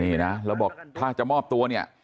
นี่นะแล้วบอกถ้าจะมอบตัวเนี่ย